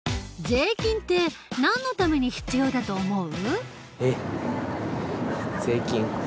税金ってなんのために必要だと思う？